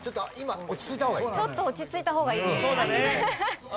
ちょっと落ち着いた方がいいですね。